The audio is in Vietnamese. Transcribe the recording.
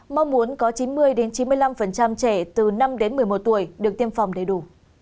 mong muốn có chín mươi chín mươi năm trẻ từ năm đến một mươi một tuổi được tiêm phòng đầy đủ